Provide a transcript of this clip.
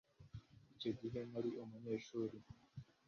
icyo gihe nari umunyeshuri